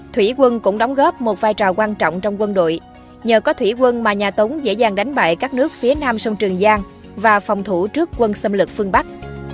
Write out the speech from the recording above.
thủy quân cũng đóng góp một vai trò quan trọng trong quân đội nhờ có thủy quân mà nhà tống dễ dàng đánh bại các nước phía nam sông trường giang và phòng thủ trước quân xâm lực phương bắc